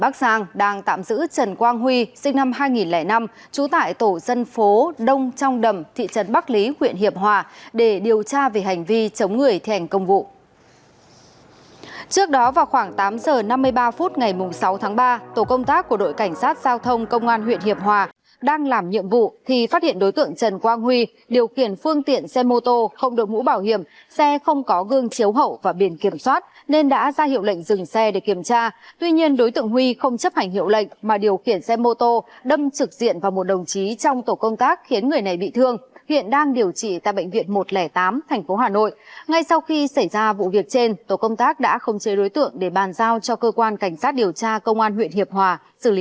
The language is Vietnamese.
trần quang huy sinh năm hai nghìn năm trú tại tổ dân phố đông trong đầm thị trấn bắc lý huyện hiệp hòa điều kiện xe mô tô không được mũ bảo hiểm xe không có gương chiếu hậu và biển kiểm soát nên đã ra hiệu lệnh dừng xe mô tô không được mũ bảo hiểm xe không có gương chiếu hậu và biển kiểm soát